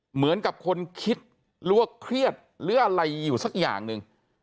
เหมือนกับคนคิดหรือว่าเครียดหรืออะไรอยู่สักอย่างหนึ่ง